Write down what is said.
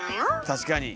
確かに。